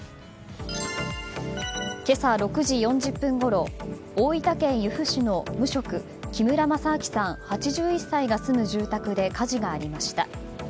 今朝６時４０分ごろ大分県由布市の無職木村正明さん、８１歳が住む住宅で火事がありました。